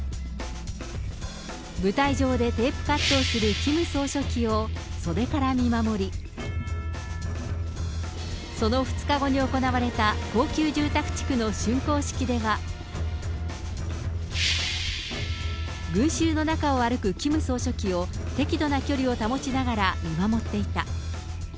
舞台上でテープカットをするキム総書記を袖から見守り、その２日後に行われた、高級住宅地区のしゅんこう式では、群衆の中を歩くキム総書記を適度な距離を保ちながら、見守っていた。